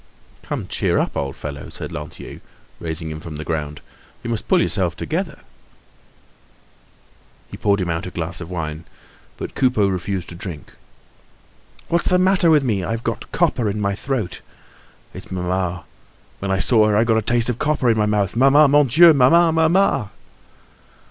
"Come, cheer up, old fellow," said Lantier, raising him from the ground; "you must pull yourself together." He poured him out a glass of wine, but Coupeau refused to drink. "What's the matter with me? I've got copper in my throat. It's mamma. When I saw her I got a taste of copper in my mouth. Mamma! Mon Dieu! mamma, mamma!"